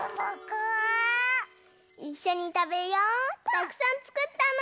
たくさんつくったの！